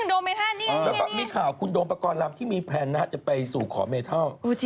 โดเมทัลอีกเหรอแล้วก็มีข่าวคุณโดมประกอบรามที่มีแพลนนะจะไปสู่ขอเมทัล